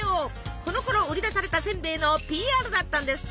このころ売り出されたせんべいのＰＲだったんですって！